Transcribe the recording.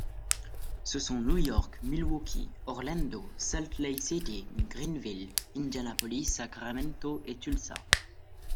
Ce sont New York, Milwaukee, Orlando, Salt Lake City, Greenville, Indianapolis, Sacramento et Tulsa.